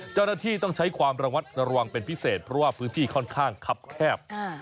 เจ้าหน้าที่ต้องใช้ความระมัดระวังเป็นพิเศษเพราะว่าพื้นที่ค่อนข้างคับแคบ